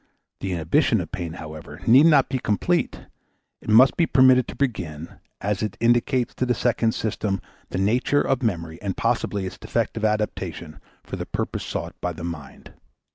The inhibition of pain, however, need not be complete; it must be permitted to begin, as it indicates to the second system the nature of the memory and possibly its defective adaptation for the purpose sought by the mind.